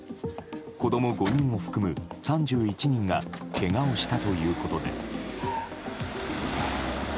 子供５人を含む３１人がけがをしたということです。